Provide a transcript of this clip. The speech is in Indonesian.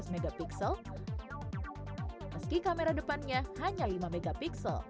megapiksel meski kamera depannya hanya lima mp